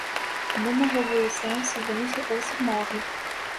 numa revolução se vence ou se morre